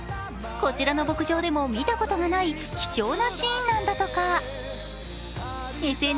こちらの牧場でも見たことがない貴重なシーンなんだとか。